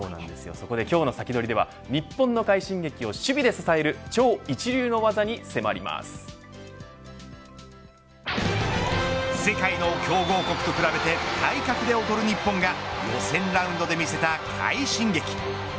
今日のサキドリでは日本の快進撃を守備で支える世界の強豪国と比べて体格で劣る日本が予選ラウンドで見せた快進撃。